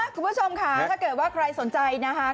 คุณผู้ชมค่ะถ้าเกิดว่าใครสนใจนะคะ